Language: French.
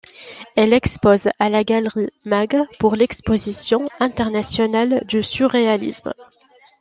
Elle expose à la galerie Maeght pour l'Exposition internationale du surréalisme.